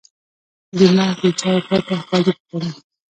ګیلاس د چایو پرته خالي ښکاري.